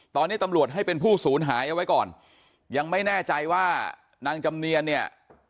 ตอนนี้ตำรวจให้เป็นผู้ศูนย์หายเอาไว้ก่อนยังไม่แน่ใจว่านางจำเนียนเนี่ย